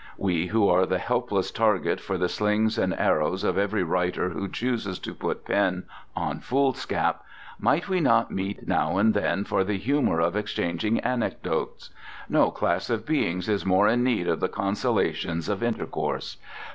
We who are the helpless target for the slings and arrows of every writer who chooses to put pen on foolscap—might we not meet now and then for the humour of exchanging anecdotes? No class of beings is more in need of the consolations of intercourse.